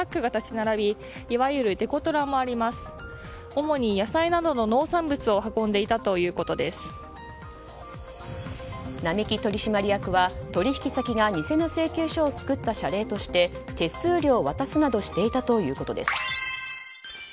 並木取締役は取引先が偽の請求書を作った謝礼として手数料を渡すなどしていたということです。